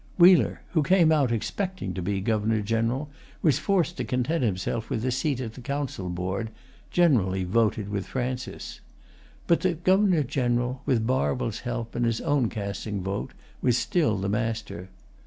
Wheler, who came out expecting to be Governor General, and was forced to content himself with a seat at the council board, generally voted with Francis. But the Governor General, with Barwell's help and his own casting vote, was still the master.